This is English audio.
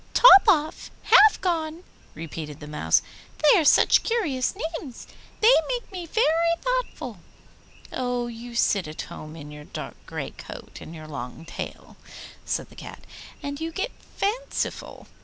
'Topoff! Halfgone!' repeated the Mouse, 'they are such curious names; they make me very thoughtful.' 'Oh, you sit at home in your dark grey coat and your long tail,' said the Cat, 'and you get fanciful.